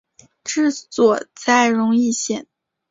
治所在荣懿县。